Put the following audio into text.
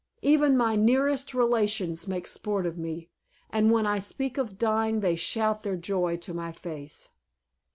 Even my nearest relations make sport of me, and when I speak of dying they shout their joy to my face."